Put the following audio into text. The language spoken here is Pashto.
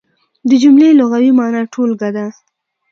د جملې لغوي مانا ټولګه ده.